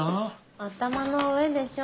頭の上でしょ。